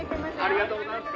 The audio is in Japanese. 「ありがとうございます」